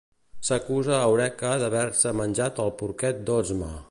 S'acusa Eureka d'haver-se menjat el porquet d'Ozma.